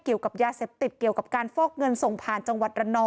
เกี่ยวกับยาเสพติดเกี่ยวกับการฟอกเงินส่งผ่านจังหวัดระนอง